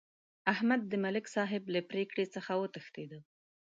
احمد د ملک صاحب له پرېکړې څخه وتښتېدا.